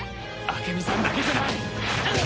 朱美さんだけじゃない！